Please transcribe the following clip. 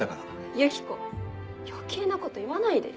ユキコ余計なこと言わないでよ。